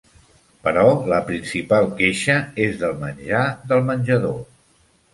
Però la principal queixa és del menjar del menjador.